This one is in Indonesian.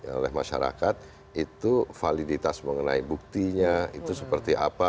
oleh masyarakat itu validitas mengenai buktinya itu seperti apa